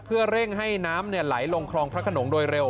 เพื่อเร่งให้น้ำไหลลงคลองพระขนงโดยเร็ว